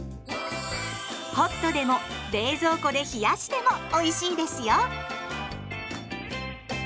ホットでも冷蔵庫で冷やしてもおいしいですよ！